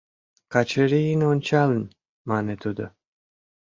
— Качырийым ончалын, мане тудо.